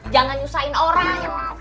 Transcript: jangan nyusahin orang